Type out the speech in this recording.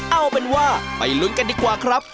เอาเป็นว่าไปลุ้นกันดีกว่าครับ